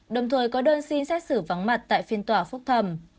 đồng thời có đơn xin xét xử vắng mặt tại phiên tòa phúc thầm